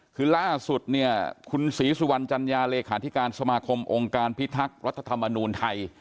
คือล่าสุดเนี่ยคุณศรีสุวรรณจัญญาเลขาธิการสมาคมองค์การพิทักษ์รัฐธรรมนูลไทย